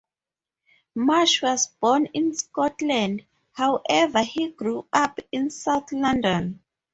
Marsh was born in Scotland, however he grew up in South London.